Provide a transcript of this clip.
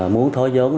muốn thối giống